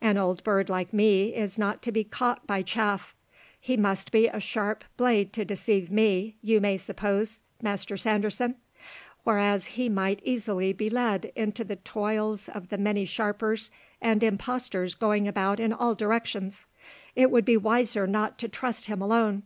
An old bird like me is not to be caught by chaff. He must be a sharp blade to deceive me, you may suppose, Master Sanderson, whereas he might easily be led in the toils of the many sharpers and impostors going about in all directions. It would be wiser not to trust him alone."